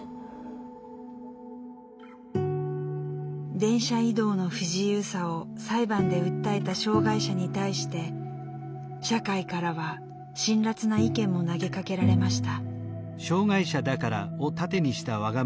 電車移動の不自由さを裁判で訴えた障害者に対して社会からは辛辣な意見も投げかけられました。